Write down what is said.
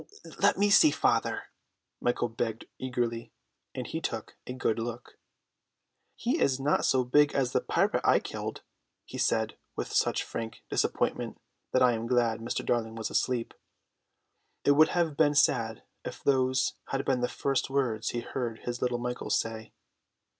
"Let me see father," Michael begged eagerly, and he took a good look. "He is not so big as the pirate I killed," he said with such frank disappointment that I am glad Mr. Darling was asleep; it would have been sad if those had been the first words he heard his little Michael say.